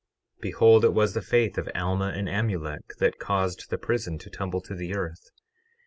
12:13 Behold, it was the faith of Alma and Amulek that caused the prison to tumble to the earth.